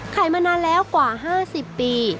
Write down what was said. มานานแล้วกว่า๕๐ปี